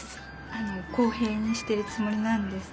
あのこうへいにしてるつもりなんですけど。